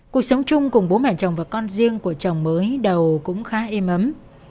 cuộc sống chung cùng bố mẹ chồng và con riêng của chồng mới đầu cũng khá êm ấm